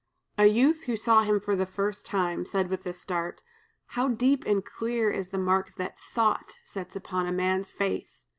A youth who saw him for the first time, said with a start, "How deep and clear is the mark that thought sets upon a man's face!"